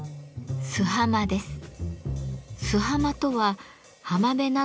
「洲浜」です。